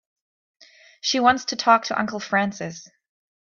She wants to talk to Uncle Francis.